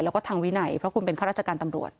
แล้วก็ทางวินัยเพราะคุณเป็นข้าราชการตำรวจ